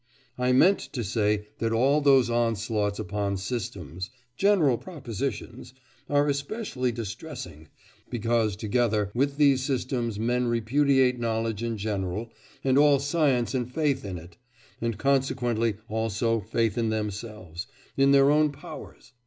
I meant to say that all those onslaughts upon systems general propositions are especially distressing, because together with these systems men repudiate knowledge in general, and all science and faith in it, and consequently also faith in themselves, in their own powers.